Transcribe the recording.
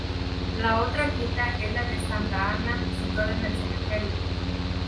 La otra ermita es la de Santa Ana, situada en el cementerio.